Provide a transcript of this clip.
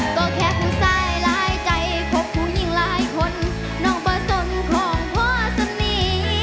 เธอแค่ผู้สายหลายใจคบคุยยิ่งหลายคนนอกประสงค์ของพวกเสมี